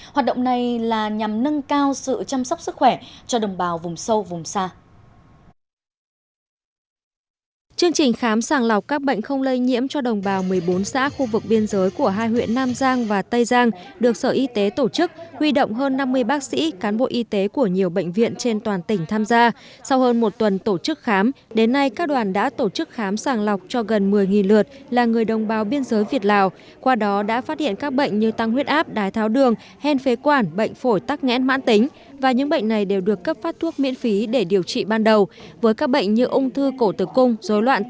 hoạt động này là nhằm nâng cao sự chăm sóc sức khỏe cho đồng bào vùng sâu vùng xa